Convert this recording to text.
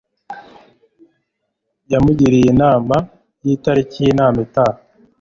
yamugiriye inama y'itariki y'inama itaha